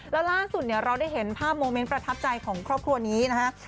แล้วล่าสุดเนี่ยเราได้เห็นภาพโมเมนต์ประทับใจของครอบครัวนี้นะฮะ